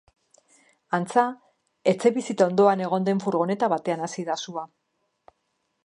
Antza, etxebizitza ondoan egon den furgoneta batean hasi da sua.